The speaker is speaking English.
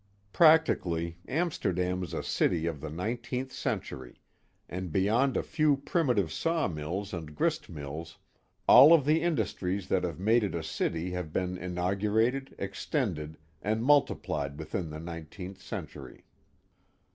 Practically, Amsterdam is a city of the nineteenth century, and beyond a few primitive sawmills and grist mills all of the Early Industries 329 industries that have made it a city have been inaugurated, extended, and multiplied within the nineteenth century.